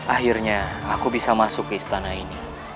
akhirnya aku bisa masuk ke istana ini